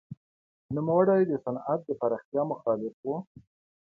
نوموړی د صنعت د پراختیا مخالف و.